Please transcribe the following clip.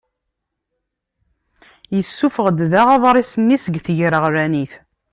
Yessuffuɣ-d daɣ aḍris-nni seg tegreɣlanit.